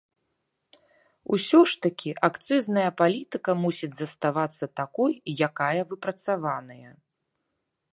Усё ж такі акцызная палітыка мусіць заставацца такой, якая выпрацаваная.